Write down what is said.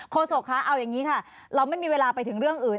โศกคะเอาอย่างนี้ค่ะเราไม่มีเวลาไปถึงเรื่องอื่น